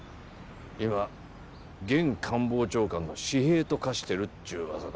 今現官房長官の私兵と化してるっちゅう噂だ。